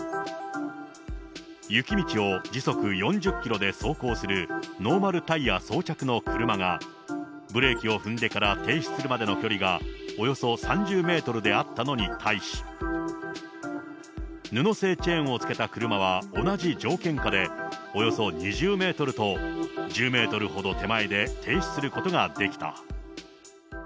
雪道を時速４０キロで走行するノーマルタイヤ装着の車が、ブレーキを踏んでから停止するまでの距離がおよそ３０メートルであったのに対し、布製チェーンをつけた車は、同じ条件下でおよそ２０メートルと、１０メートルほど手前で停止することができた。